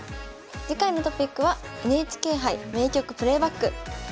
次回のトピックは「ＮＨＫ杯名局プレーバック」。